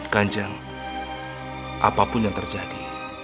kanjang apapun yang terjadi